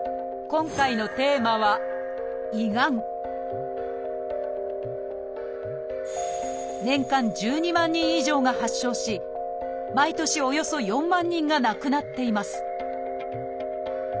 今回のテーマは年間１２万人以上が発症し毎年およそ４万人が亡くなっています